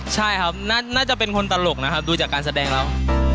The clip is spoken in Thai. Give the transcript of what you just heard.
ใช่ครับน่าจะเป็นคนตลกนะครับดูจากการแสดงแล้ว